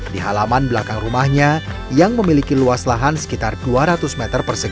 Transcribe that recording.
di halaman belakang rumahnya yang memiliki luas lahan sekitar dua ratus meter persegi